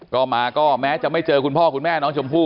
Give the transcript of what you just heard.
ก็มาก็แม้จะไม่เจอคุณพ่อคุณแม่น้องชมพู่